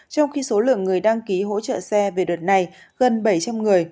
trong khi số lượng người đăng ký hỗ trợ xe về đợt này gần bảy trăm linh người